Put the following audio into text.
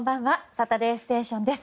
「サタデーステーション」です。